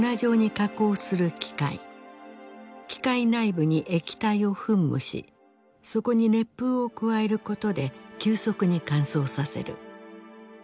機械内部に液体を噴霧しそこに熱風を加えることで急速に乾燥させる。